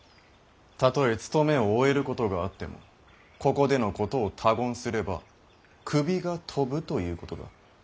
たとえ勤めを終えることがあってもここでのことを他言すれば首が飛ぶということだ。